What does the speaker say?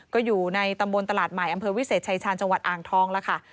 ก็อยู่ในตำบลตลาดใหม่อำเภอวิเศษชายชาญจังหวัดอ่างทองแล้วค่ะ